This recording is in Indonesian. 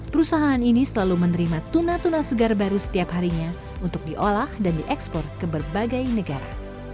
perusahaan ini selalu menerima tuna tuna segar baru setiap harinya untuk diolah dan diekspor ke berbagai negara